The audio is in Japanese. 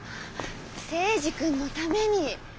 征二君のために。